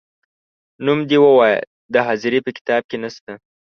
نوم دي ووایه د حاضرۍ په کتاب کې نه سته ،